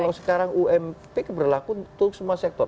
kalau sekarang ump berlaku untuk semua sektor